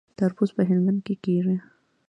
تربوز په هلمند کې کیږي